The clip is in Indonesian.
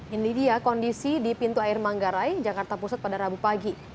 ini dia kondisi di pintu air manggarai jakarta pusat pada rabu pagi